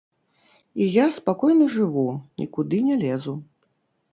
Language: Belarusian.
І я спакойна жыву, нікуды не лезу.